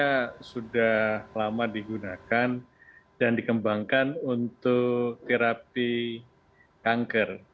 karena sudah lama digunakan dan dikembangkan untuk terapi kanker